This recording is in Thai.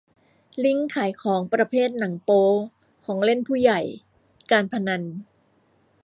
ลิงก์ขายของประเภทหนังโป๊ ของเล่นผู้ใหญ่ การพนัน